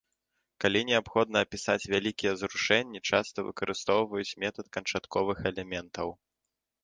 Калі неабходна апісаць вялікія зрушэння, часта выкарыстоўваюць метад канчатковых элементаў.